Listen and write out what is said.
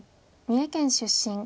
三重県出身。